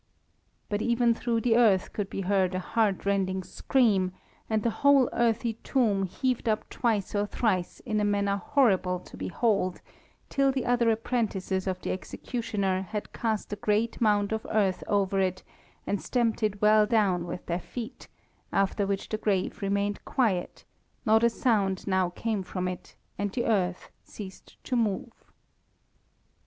But even through the earth could be heard a heart rending scream, and the whole earthy tomb heaved up twice or thrice in a manner horrible to behold, till the other apprentices of the executioner had cast a great mound of earth over it and stamped it well down with their feet, after which the grave remained quiet, not a sound now came from it, and the earth ceased to move.